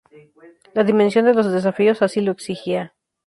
La dimensión de los desafíos así lo exigía.